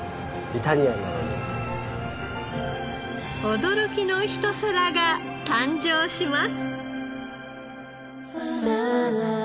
驚きの一皿が誕生します！